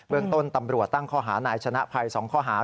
เรื่องต้นตำรวจตั้งข้อหานายชนะภัย๒ข้อหา